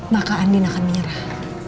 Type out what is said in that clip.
maka andin akan menyerah